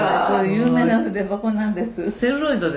「有名な筆箱なんです」